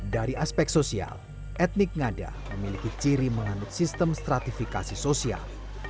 dari aspek sosial etnik ngada memiliki ciri mengandung sistem stratifikasi sosial